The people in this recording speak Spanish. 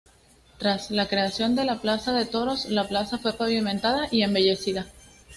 Tras la creación de la plaza de toros, la plaza fue pavimentada y embellecida.